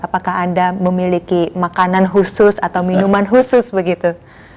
apakah anda memiliki makanan khusus atau minuman khusus begitu